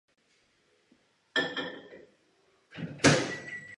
Současná podoba řečiště je z největší části výsledkem prací provedených během období Meidži.